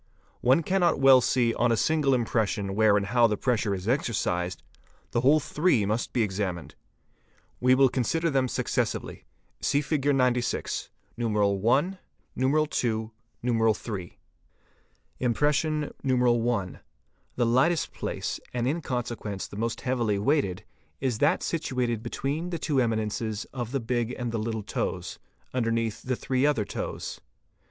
One cannot well see on a single impression where and how the pressure is exercised: the whole three must be examined. We will ' consider them successively. See Fig. 96, I., I1., III. dew Darel) RAL A EES 61S FR OD y cee ee ae ee ee Li. Fig. 96. Impression I.—The lightest place and in consequence the most heavily weighted is that situated between the two eminences of the big and the little toes, underneath the three other toes.